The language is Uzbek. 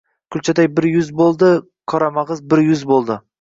kulchaday bir yuz bo‘ldi, qoramag‘iz bir yuz bo‘ldi.